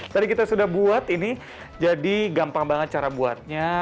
tadi kita sudah buat ini jadi gampang banget cara buatnya